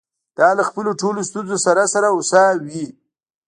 دا له خپلو ټولو ستونزو سره سره هوسا وې.